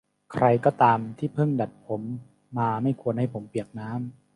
ใครก็ตามที่เพิ่งดัดผมมาไม่ควรให้ผมเปียกน้ำ